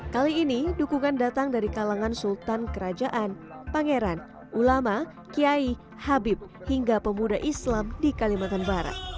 kali ini dukungan datang dari kalangan sultan kerajaan pangeran ulama kiai habib hingga pemuda islam di kalimantan barat